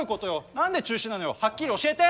何で中止なのよはっきり教えて！